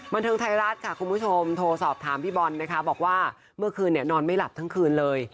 บันเทิงไทยรัฐค่ะคุณผู้ชมโทรสอบถามพี่บอลนะคะบอกว่าเมื่อคืนเนี่ยนอนไม่หลับทั้งคืนเลย